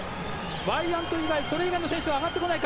ワイヤント以外の選手は上がってこないか。